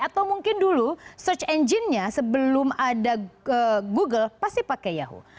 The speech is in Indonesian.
atau mungkin dulu search engine nya sebelum ada google pasti pakai yahoo